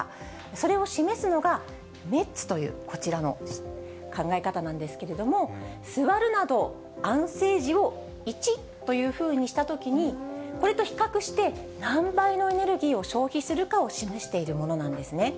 それを示すのが、メッツというこちらの考え方なんですけれども、座るなど、安静時を１というふうにしたときに、これと比較して、何倍のエネルギーを消費するかを示しているものなんですね。